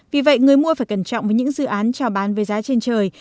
vì vậy người mua phải cẩn trọng với những dự án trao bán với giá trên trời